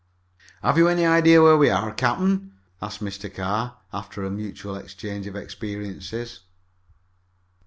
"Have you any idea where we are, captain?" asked Mr. Carr, after a mutual exchange of experiences.